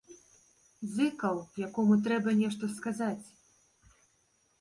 Зыкаў, якому трэба нешта сказаць.